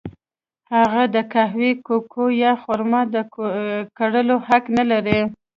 هغه د قهوې، کوکو یا خرما د کرلو حق نه لري.